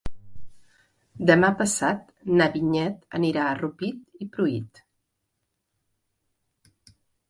Demà passat na Vinyet anirà a Rupit i Pruit.